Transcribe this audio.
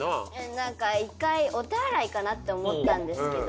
何か１回お手洗いかな？って思ったんですけど。